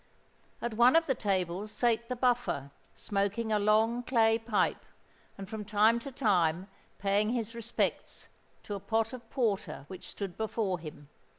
At one of the tables sate the Buffer, smoking a long clay pipe, and from time to time paying his respects to a pot of porter which stood before him.